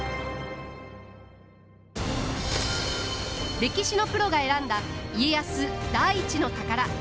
歴史のプロが選んだ家康第一の宝！